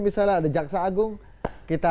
misalnya ada jaksa agung kita